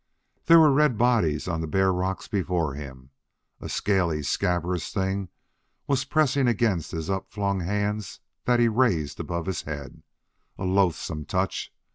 There were red bodies on the bare rock before him. A scaly, scabrous thing was pressing against his upflung hands that he raised above his head a loathsome touch!